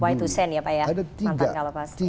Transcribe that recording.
y dua c ya pak ya mantan kalapa suka miskin